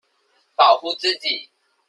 保護自己